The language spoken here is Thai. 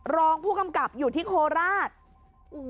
รองผู้กำกับอยู่ที่โคราช